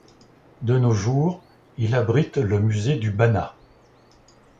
De nos jours, il abrite le Musée du Banat.